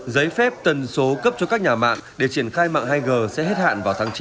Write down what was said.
giấy phép tần số cấp cho các nhà mạng để triển khai mạng hai g sẽ hết hạn vào tháng chín